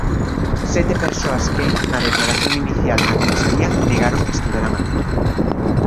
Sete persoas que, na declaración inicial na comisaría, negaron que estiveran alí.